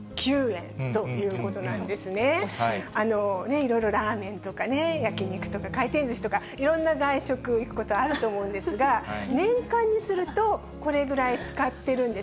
いろいろラーメンとか、焼き肉とか回転ずしとか、いろんな外食、行くことあると思うんですが、年間にするとこれぐらい使ってるんです。